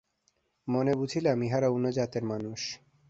মনে বুঝিলাম, ইহারা অন্য জাতের মানুষ।